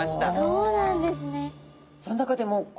そうなんですね。